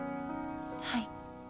はい。